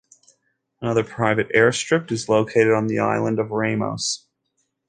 Another private airstrip is located in the island of Ramos.